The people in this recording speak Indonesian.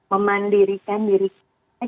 memandirikan diri kita